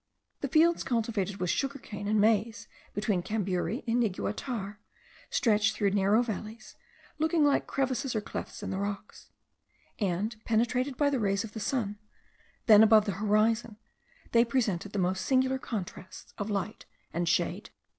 The fields cultivated with sugar cane and maize, between Camburi and Niguatar, stretch through narrow valleys, looking like crevices or clefts in the rocks: and penetrated by the rays of the sun, then above the horizon, they presented the most singular contrasts of light and shade.